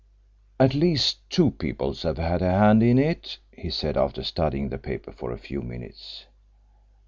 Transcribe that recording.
"At least two people have had a hand in it," he said, after studying the paper for a few minutes.